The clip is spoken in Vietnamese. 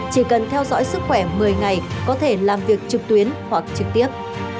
chỉ cần theo dõi sức khỏe một mươi ngày có thể làm việc trực tuyến hoặc trực tiếp